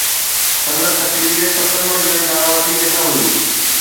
سندس تقرير ستن منٽن کان وڌيڪ نه هئي.